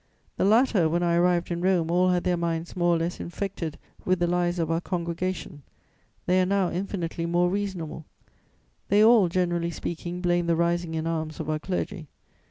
The latter, when I arrived in Rome, all had their minds more or less infected with the lies of our congregation; they are now infinitely more reasonable; they all, generally speaking, blame the rising in arms of our clergy.